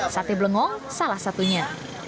sate blengong salah satunya